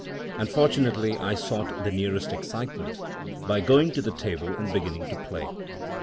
Unfortunately I sought the nearest excitement, by going to the table and beginning to play.